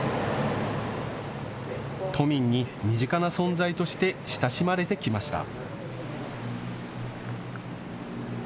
都民に身近な存在として親しまれてきました。